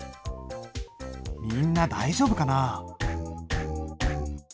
みんな大丈夫かな？